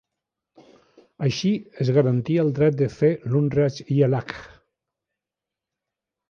Així es garantia el dret de fer l'Umrah i el Hajj.